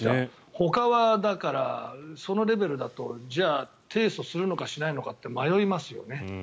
ほかは、だからそのレベルだとじゃあ、提訴するのかしないのかって迷いますよね。